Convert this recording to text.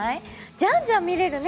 じゃんじゃん見れるね。